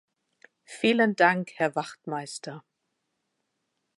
Vielen Dank, Herr Wachtmeister.